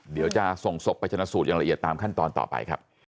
เดี๋ยวจะส่งศพไปชนะสูตรอย่างละเอียดตามขั้นตอนต่อไปครับ